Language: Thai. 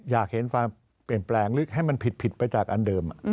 อยากเห็นความเปลี่ยนแปลงหรือให้มันผิดไปจากอันเดิม